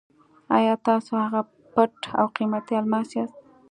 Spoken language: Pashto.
اې! تاسو هغه پټ او قیمتي الماس یاست.